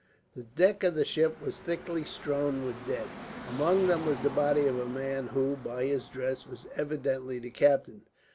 The deck of the ship was thickly strewn with dead. Among them was the body of a man who, by his dress, was evidently the captain.